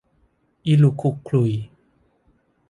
อีหลุกขลุกขลุ่ย